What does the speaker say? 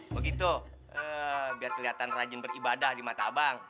begitu biar kelihatan rajin beribadah di mata abang